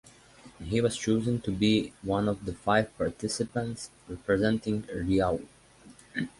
He was chosen to be one of the five participants representing Riau.